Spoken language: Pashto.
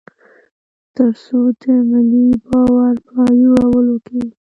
تر څو د ملي باور په جوړولو کې.